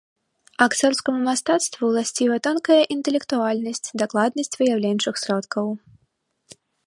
Акцёрскаму мастацтву уласціва тонкая інтэлектуальнасць, дакладнасць выяўленчых сродкаў.